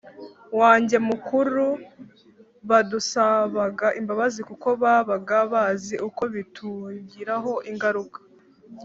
wanjye mukuru badusabaga imbabazi kuko babaga bazi uko bitugiraho ingaruka